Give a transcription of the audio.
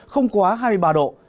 không quá hai mươi ba độ